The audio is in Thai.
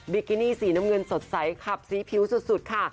กินี่สีน้ำเงินสดใสขับสีผิวสุดค่ะ